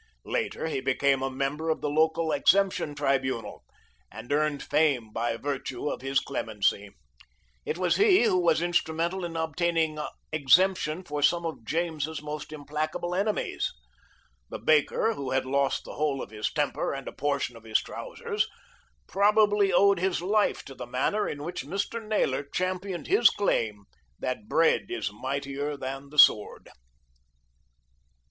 Later, he became a member of the local exemption tribunal, and earned fame by virtue of his clemency. It was he who was instrumental in obtaining exemption for some of James's most implacable enemies. The baker, who had lost the whole of his temper and a portion of his trousers, probably owed his life to the manner in which Mr. Naylor championed his claim that bread is mightier than the sword.